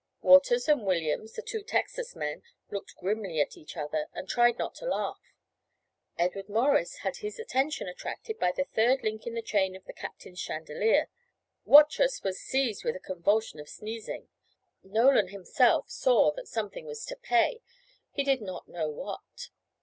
Waters and Williams, the two Texas men, looked grimly at each other and tried not to laugh. Edward Morris had his attention attracted by the third link in the chain of the captain's chandelier. Watrous was seized with a convulsion of sneezing. Nolan himself saw that something was to pay, he did not know what.